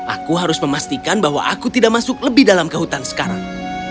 aku harus memastikan bahwa aku tidak masuk lebih dalam ke hutan sekarang